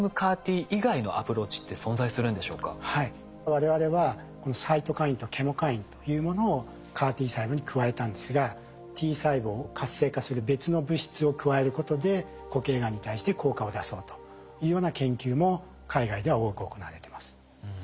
我々はサイトカインとケモカインというものをＣＡＲ−Ｔ細胞に加えたんですがＴ細胞を活性化する別の物質を加えることで固形がんに対して効果を出そうというような研究も海外では多く行われてます。